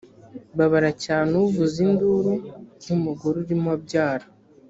babara cyane uvuze induru nk umugore urimo abyara